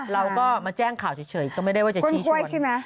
เราก็มาแจ้งข่าวเฉยก็ไม่ได้ว่าจะช่วยใช่ไหม